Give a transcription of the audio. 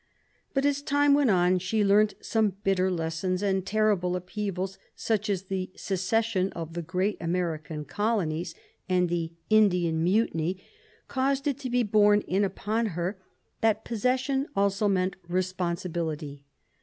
^ But as time went on she learnt some bitter lessons, and terrible upheavals, such as the secession of the great American Colonies and the Indian Mutiny, caused it to be borne in upon her that possession also meant responsibility.